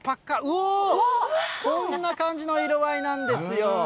おー、こんな感じの色合いなんですよ。